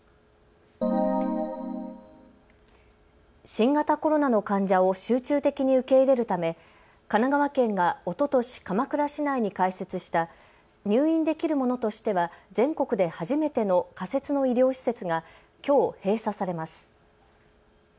新型コロナの患者を集中的に受け入れるため神奈川県がおととし、鎌倉市内に開設した入院できるものとしては全国で初めての仮設の医療施設がきょう閉鎖されます。